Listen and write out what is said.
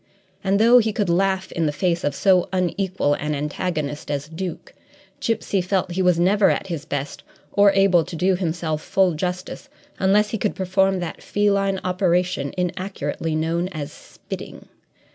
And though he could laugh in the face of so unequal an antagonist as Duke, Gipsy felt that he was never at his best or able to do himself full justice unless he could perform that feline operation inaccurately known as "spitting."